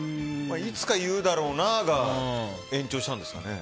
いつか言うだろうなが延長したんですかね。